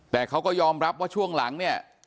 แต่เขาก็ยอมรับว่าช่วงหลังเนี่ย